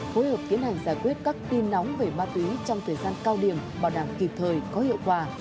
phối hợp tiến hành giải quyết các tin nóng về ma túy trong thời gian cao điểm bảo đảm kịp thời có hiệu quả